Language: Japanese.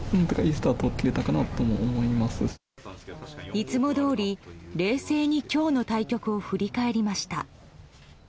いつもどおり冷静に今日の対局を振り返りました。